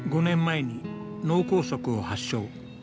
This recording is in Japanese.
５年前に脳梗塞を発症。